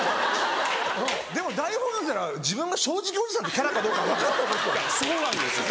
でも台本あるから自分が正直おじさんってキャラかどうか分かると思うんですけど。